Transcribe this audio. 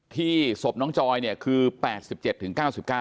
ศพน้องจอยเนี่ยคือ๘๗ถึง๙๙